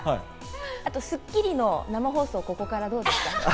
あと『スッキリ』の生放送、ここからどうですか？